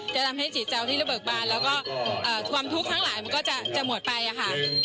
จะทำให้จิตใจที่ระเบิกบานแล้วก็ความทุกข์ทั้งหลายมันก็จะหมดไปค่ะ